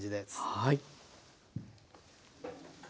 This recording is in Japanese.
はい。